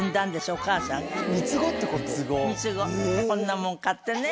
「こんなもん」って。